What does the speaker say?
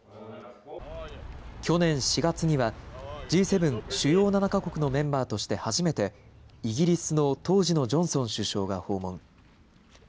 去年４月にはＧ７・主要７か国のメンバーとして初めてイギリスの当時のジョンソン首相が訪問。